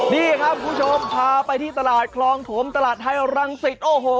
นี่ครับคุณผู้ชมพาไปที่ตลาดคลองถมตลาดไทยรังสิตโอ้โห